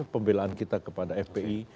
pembelaan kita kepada fpi